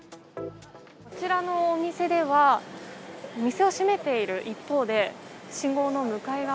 こちらのお店では店を閉めている一方で信号の向かい側